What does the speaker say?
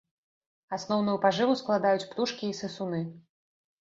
Асноўную пажыву складаюць птушкі і сысуны.